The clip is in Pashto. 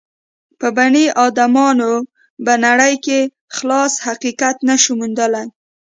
په بني ادمانو به نړۍ کې خالص حقیقت نه شو موندلای.